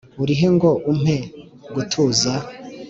Urihe ngo umpe gutuza?